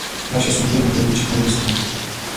ყდა შესრულებულია მოოქროვილი ჭედურობის ტექნიკით.